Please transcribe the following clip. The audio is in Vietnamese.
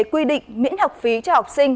quy định miễn học phí cho học sinh